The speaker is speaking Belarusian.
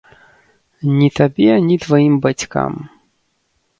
Ні табе, ні тваім бацькам.